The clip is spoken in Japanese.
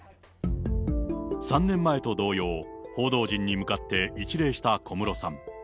３年前と同様、報道陣に向かって一礼した小室さん。